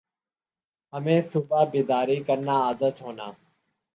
ہمیں صبح بیداری کرنا عادت ہونا